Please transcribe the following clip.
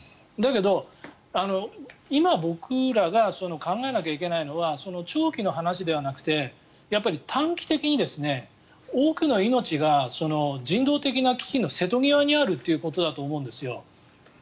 だけど、今僕らが考えなきゃいけないのは長期の話ではなくて短期的に多くの命が人道的な危機の瀬戸際にあるということだと思うんですよ。